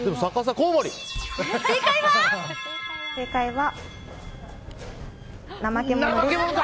正解は。